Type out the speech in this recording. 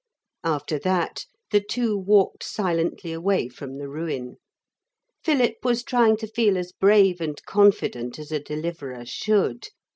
After that the two walked silently away from the ruin. Philip was trying to feel as brave and confident as a Deliverer should.